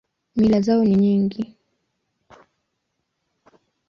Mila zao ni nyingi.